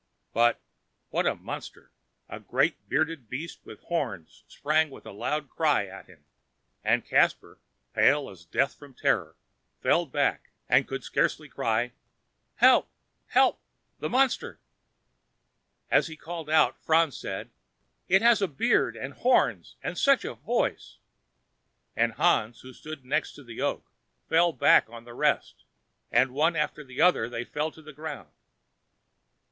But—what a monster!—a great bearded beast with horns sprang with a loud cry at him; and Caspar, pale as death from terror, fell back, and could scarcely cry: "Help! help!—the monster!" As he called out, Franz said, "It has a beard and horns, and such a voice!" and Hans, who stood next to the oak, fell back on the rest, and one after the other fell to the ground.